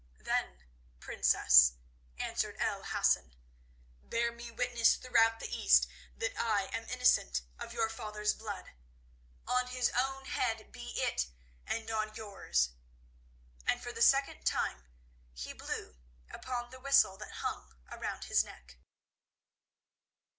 "Then, Princess," answered El Hassan, "bear me witness throughout the East that I am innocent of your father's blood. On his own head be it, and on yours," and for the second time he blew upon the whistle that hung around his neck.